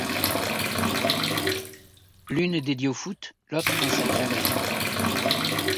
L’une dédiée au foot’, l’autre consacrée à la gym’.